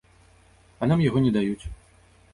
А нам яго не даюць.